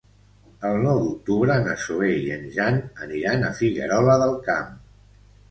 El nou d'octubre na Zoè i en Jan aniran a Figuerola del Camp.